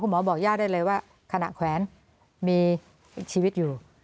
หมอบอกย่าได้เลยว่าขณะแขวนมีชีวิตอยู่